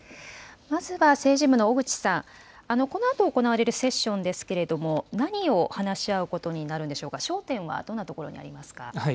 まずは政治部の小口さん、このあと行われるセッションですけれども、何を話し合うことになるんでしょうか、焦点はどんなところにありますか。